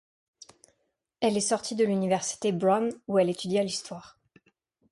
Elle est sortie de l'université Brown où elle étudia l’histoire.